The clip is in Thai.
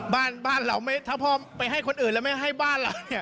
บ้านเราถ้าพ่อไปให้คนอื่นแล้วไม่ให้บ้านเรา